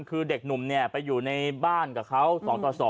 คือเด็กหนุ่มไปอยู่ในบ้านกับเขา๒ต่อ๒